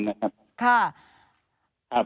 มีรถ๒คันนะครับ